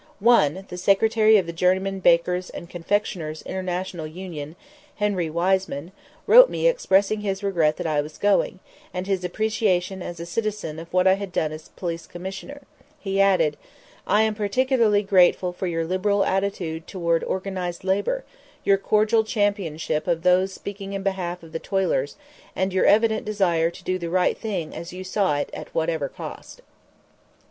One, the Secretary of the Journeyman Bakers' and Confectioners' International Union, Henry Weismann, wrote me expressing his regret that I was going, and his appreciation as a citizen of what I had done as Police Commissioner; he added: "I am particularly grateful for your liberal attitude toward organized labor, your cordial championship of those speaking in behalf of the toilers, and your evident desire to do the right thing as you saw it at whatever cost."